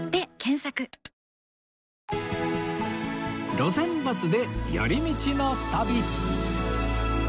『路線バスで寄り道の旅』